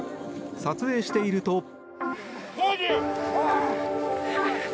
撮影していると。